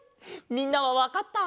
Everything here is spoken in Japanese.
みんなはわかった？